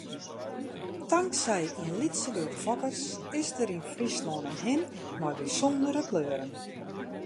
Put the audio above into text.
Tanksij in lytse groep fokkers is der yn Fryslân in hin mei bysûndere kleuren.